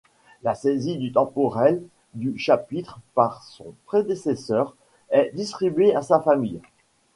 La saisie du temporel du chapitre par son prédécesseur est distribué à sa famille.